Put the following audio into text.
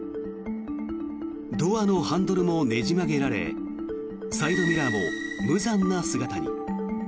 ドアのハンドルもねじ曲げられサイドミラーも無残な姿に。